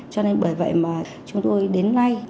cho nên bởi vậy mà chúng tôi đến ngay